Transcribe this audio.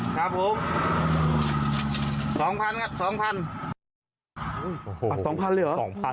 ครับผมสองพันครับสองพันสองพันเลยเหรอสองพัน